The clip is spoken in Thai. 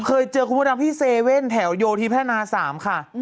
เคยเจอคุณมดดำที่๗แถวโยทิแพร่นาสามค่ะ